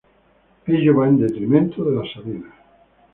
Ello va en detrimento de las sabinas.